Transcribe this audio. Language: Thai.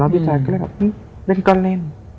พี่แจ๊คก็เลยแบบเล่นก่อนเล่น